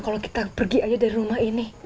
kalau kita pergi aja dari rumah ini